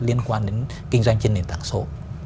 liên quan đến kinh doanh trên nền tảng số